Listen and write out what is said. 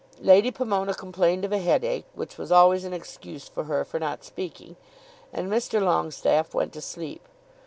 Lady Pomona complained of a headache, which was always an excuse with her for not speaking; and Mr. Longestaffe went to sleep.